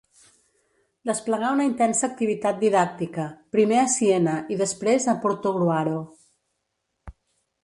Desplegà una intensa activitat didàctica, primer a Siena i després a Portogruaro.